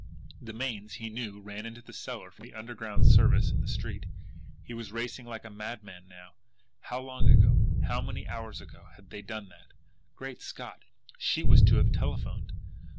The mains, he knew, ran into the cellar from the underground service in the street. He was racing like a madman now. How long ago, how many hours ago, had they done that! Great Scott, SHE was to have telephoned!